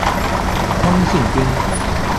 通信兵。